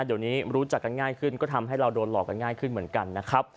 เดี๋ยวนี้รู้จักกันง่ายขึ้นก็ทำให้เราโดนหลอกกันง่ายขึ้นเหมือนกันนะครับ